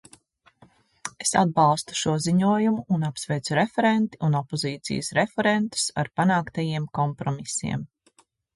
Es atbalstu šo ziņojumu un apsveicu referenti un opozīcijas referentus ar panāktajiem kompromisiem.